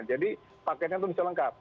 paketnya itu bisa lengkap